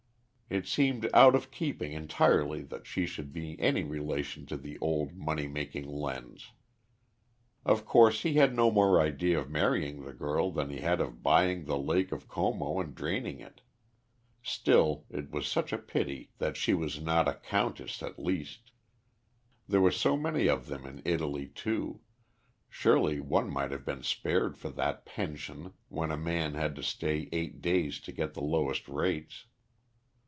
It seemed out of keeping entirely that she should be any relation to old money making Lenz. Of course he had no more idea of marrying the girl than he had of buying the lake of Como and draining it; still, it was such a pity that she was not a countess at least; there were so many of them in Italy too, surely one might have been spared for that pension when a man had to stay eight days to get the lowest rates.